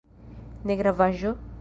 Ne gravaĵo?